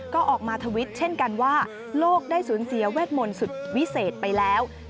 ก็ออกมาทวิตเช่นกันว่าโลกได้สูญเสียเวทมนต์สุดวิเศษไปแล้ว